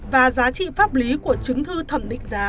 và giá trị pháp lý của chứng thư thẩm định giá